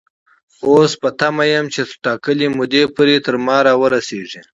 اوس په تمه يم چې تر ټاکلې مودې تر ما را ورسيږي.